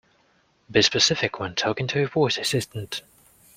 Be specific when talking to a voice assistant.